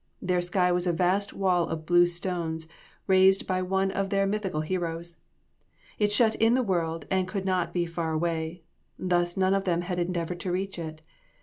Their sky was a vast wall of blue stones raised by one of their mythical heroes. It shut in the world and could not be far away, though none of them had endeavored to reach it.